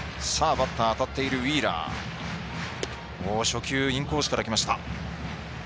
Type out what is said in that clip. バッターには当たっているウィーラー初球、インコースからきました。